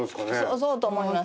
そうと思います。